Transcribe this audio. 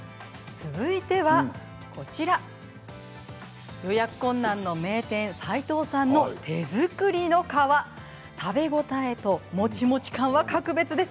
続いては予約困難の名店齋藤さんの手作りの皮食べ応えともちもち感は格別です。